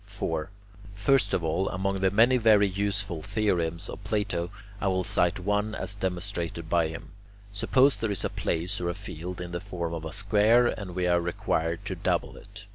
4. First of all, among the many very useful theorems of Plato, I will cite one as demonstrated by him. Suppose there is a place or a field in the form of a square and we are required to double it.